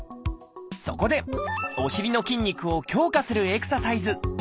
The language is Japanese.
そこでお尻の筋肉を強化するエクササイズ。